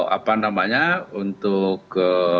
apa namanya untuk